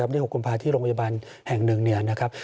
ในวันที่๖กุมภาคมที่โรงพยาบาลแห่ง๑เหนยะนะครับ